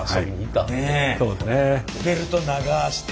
ベルト長ぁして。